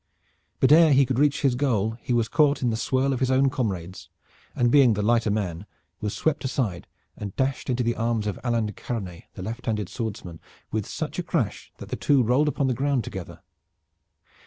But ere he could reach his goal he was caught in the swirl of his own comrades, and being the lighter man was swept aside and dashed into the arms of Alain de Karanais, the left handed swordsman, with such a crash that the two rolled upon the ground together.